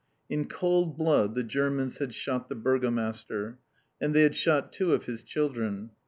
In cold blood, the Germans had shot the Burgomaster. And they had shot two of his children.